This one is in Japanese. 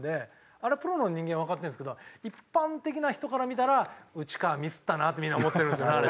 あれプロの人間はわかってるんですけど一般的な人から見たら「内川ミスったな」ってみんな思ってるんですよねあれ。